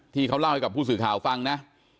ที่เขาเล่าให้กับผู้สื่อข่าวฟังนะ